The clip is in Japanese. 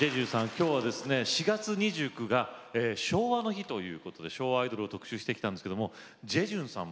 きょうは４月２９日が昭和の日ということで昭和アイドルを特集してきたんですがジェジュンさん